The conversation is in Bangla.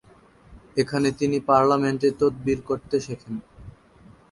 এখানে তিনি পার্লামেন্টে তদবির করতে শেখেন।